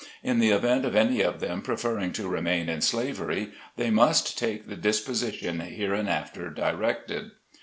In the event of any of them preferring to remain in slavery, they must take the disposition hereinafter directed.